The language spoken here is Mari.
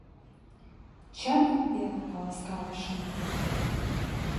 — Чыным веле каласкалышым.